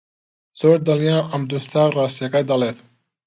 زۆر دڵنیام عەبدولستار ڕاستییەکە دەڵێت.